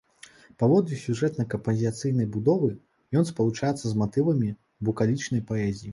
Паводле сюжэтна-кампазіцыйнай будовы ён спалучаецца з матывамі букалічнай паэзіі.